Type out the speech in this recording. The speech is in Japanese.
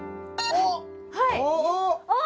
あっ！